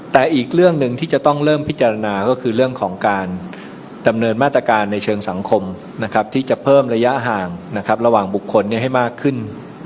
แต่อีกเรื่องหนึ่งที่จะต้องเริ่มพิจารณาก็คือเรื่องของการดำเนินมาตรการในเชิงสังคมที่จะเพิ่มระยะห่างระหว่างบุคคลให้มากขึ้น